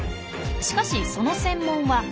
しかしその専門は骨。